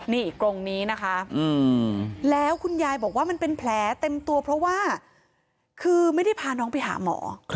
นี่กรงนี้นะคะแล้วคุณยายบอกว่ามันเป็นแผลเต็มตัวเพราะว่าคือไม่ได้พาน้องไปหาหมอ